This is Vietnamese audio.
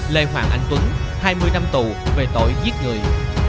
lê hoàng anh tuấn hai mươi năm tù về tội giết người